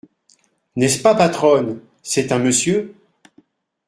N’est-ce pas, patronne, c’est un monsieur ?